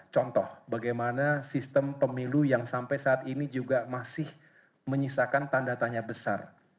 contoh bagaimana sistem pemilu yang sampai saat ini juga masih menyisakan tanda tanya besar